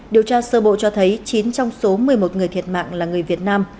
điều tra sơ bộ cho thấy chín trong số một mươi một người thiệt mạng là người việt nam